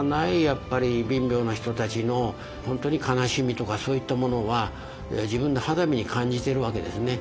やっぱり貧乏な人たちの本当に悲しみとかそういったものは自分の肌身に感じてるわけですね。